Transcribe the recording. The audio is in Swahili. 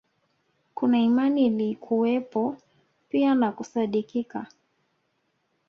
Kuna imani ilikuwepo pia na kusadikika